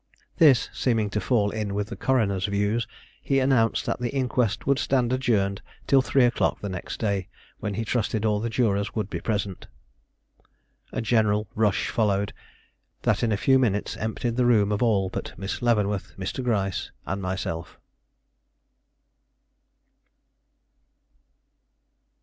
This seeming to fall in with the coroner's views, he announced that the inquest would stand adjourned till three o'clock the next day, when he trusted all the jurors would be present. A general rush followed, that in a few minutes emptied the room of all but Miss Leavenworth, Mr. Gryce, and myself.